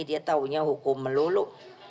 dia taunya hukum melulu